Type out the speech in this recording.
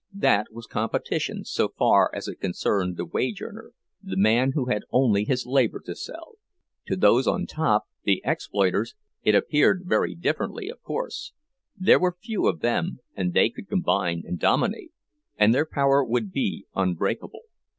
That was "competition," so far as it concerned the wage earner, the man who had only his labor to sell; to those on top, the exploiters, it appeared very differently, of course—there were few of them, and they could combine and dominate, and their power would be unbreakable.